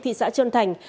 thị xã trần thành